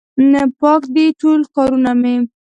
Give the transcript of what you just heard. پاک دي ټول کارونه مې